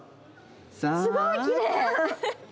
あ、すごいきれい。